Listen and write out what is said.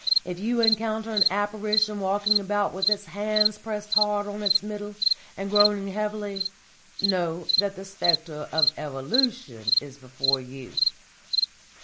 If you encounter an apparition walking about with hands pressed hard on its Middle, and groaning heavily, know that the spectre of Evolution is before you."